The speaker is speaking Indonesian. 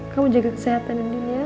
kamu jaga kesehatan indin ya